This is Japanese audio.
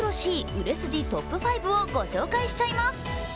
売れ筋トップ５をご紹介しちゃいます。